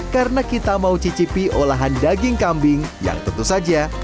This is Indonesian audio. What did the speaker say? karena kita mau cicipi olahan daging kambing yang tentu saja